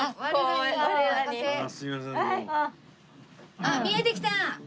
あっ見えてきた！